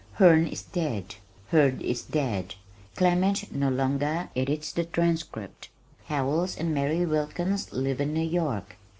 Herne is dead, Hurd is dead, Clement no longer edits the Transcript, Howells and Mary Wilkins live in New York.